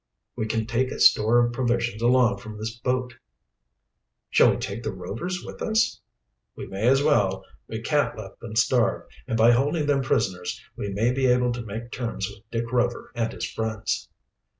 We can take a store of provisions along from this boat." "Shall we take the Rovers with us?" "We may as well. We can't let them starve, and by holding them prisoners we may be able to make terms with Dick Rover and his friends."